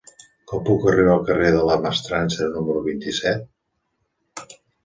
Com puc arribar al carrer de la Mestrança número vint-i-set?